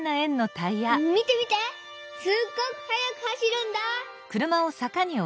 見て見てすっごくはやく走るんだ！」。